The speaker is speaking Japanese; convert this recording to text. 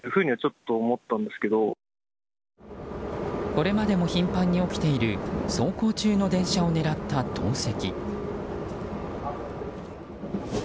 これまでも頻繁に起きている走行中の電車を狙った投石。